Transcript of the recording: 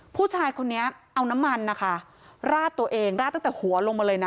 ผู้ชายคนนี้เอาน้ำมันนะคะราดตัวเองราดตั้งแต่หัวลงมาเลยนะ